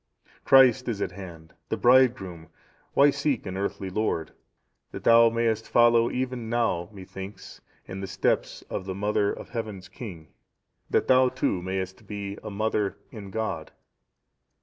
"Christ is at hand, the Bridegroom (why seek an earthly lord?) that thou mayst follow even now, methinks, in the steps of the Mother of Heaven's King, that thou too mayst be a mother in God.